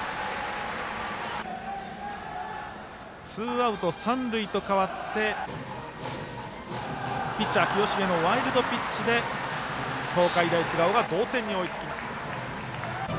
ツーアウト三塁と変わってピッチャー、清重のワイルドピッチで東海大菅生が同点に追いつきます。